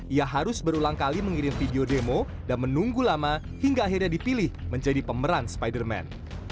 ia harus berulang kali mengirim video demo dan menunggu lama hingga akhirnya dipilih menjadi pemeran spider man